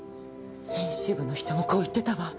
編集部の人もこう言ってたわ。